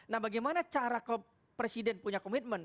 nah bagaimana cara kalau presiden punya komitmen